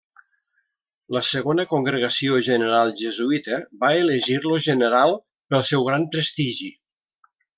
La segona congregació general jesuïta va elegir-lo general pel seu gran prestigi.